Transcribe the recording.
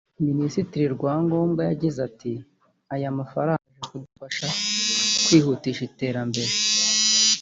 Minisitiri Rwangombwa yagize ati “Aya mafaranga aje kudufasha kwihutisha iterambere